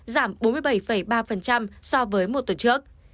giảm bốn mươi bảy ba so với một tuần trước